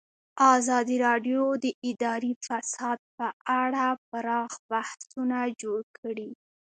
ازادي راډیو د اداري فساد په اړه پراخ بحثونه جوړ کړي.